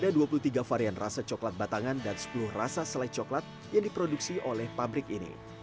ada dua puluh tiga varian rasa coklat batangan dan sepuluh rasa selai coklat yang diproduksi oleh pabrik ini